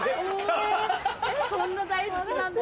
そんな大好きなんだ